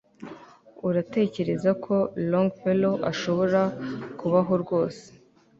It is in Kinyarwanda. uratekereza ko longfellow ashobora kubaho rwose